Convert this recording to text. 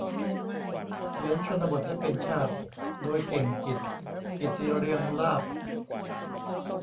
"เขียนชนบทให้เป็นชาติ" โดย เก่งกิจ กิติเรียงลาภ